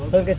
hơn cây số